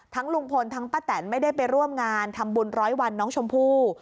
ลุงพลทั้งป้าแตนไม่ได้ไปร่วมงานทำบุญร้อยวันน้องชมพู่